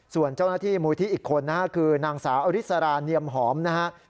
ส่วนเจ้าหน้าที่มูลที่อีกคนนะครับคือนางสาวอริสราเนียมหอมนะครับ